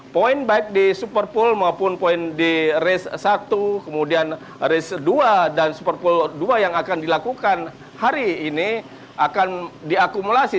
poin baik di super pool maupun poin di race satu kemudian race dua dan super pool dua yang akan dilakukan hari ini akan diakumulasi